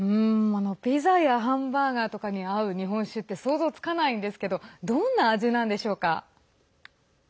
ピザやハンバーガーとかに合う日本酒って想像つかないんですけどどんな味なんでしょうか？